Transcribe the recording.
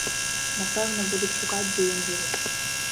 Напэўна, будуць шукаць, дзе ён жыве.